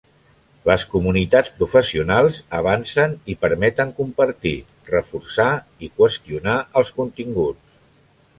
Les comunitats professionals avancen i permeten compartir, reforçar i qüestionar els continguts.